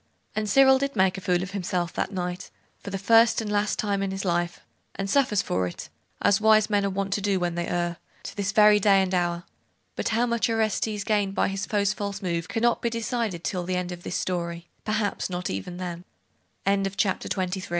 And Cyril did make a fool of himself that night, for the first and last time in his life; and suffers for it, as wise men are wont to do when they err, to this very day and hour: but how much Orestes gained by his foe's false move cannot be decided till the end of this story; perhaps not even then.